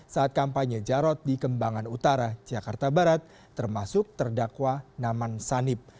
saat kampanye jarod di kembangan utara jakarta barat termasuk terdakwa naman sanib